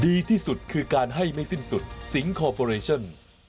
ดีที่สุดคือการให้ไม่สิ้นสุดสิงคอร์ปอเรชั่น